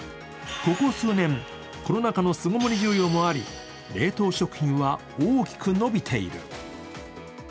ここ数年コロナ禍の巣ごもり需要もあり、冷凍食品は大きく伸びている。